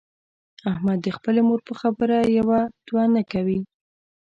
احمد د خپلې مور په خبره کې یو دوه نه کوي.